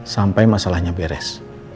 sampai masalahnya beres